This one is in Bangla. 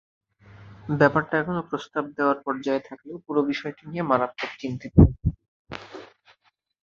ব্যাপারটা এখনো প্রস্তাব দেওয়ার পর্যায়ে থাকলেও পুরো বিষয়টি নিয়ে মারাত্মক চিন্তিত আইসিসি।